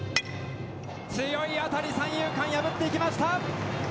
強い当たり三遊間を破っていきました。